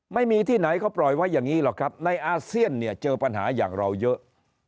ไม่มีที่ไหนเขาปล่อยไว้อย่างนี้หรอกครับในอาเซียนเนี่ยเจอปัญหาอย่างเราเยอะ